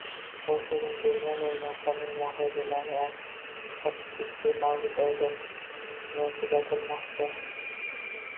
Polshadan Germaniyaga noqonuniy muhojirlarning ortib ketishi avgust oyidan buyon kuzatilmoqda